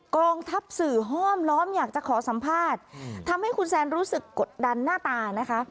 กองทัพสื่อห้อมล้อมอยากจะขอสัมภาษณ์ทำให้คุณแซนรู้สึกกดดันหน้าตานะคะ